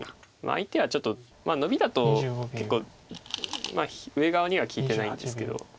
相手はちょっとノビだと結構上側には利いてないんですけど。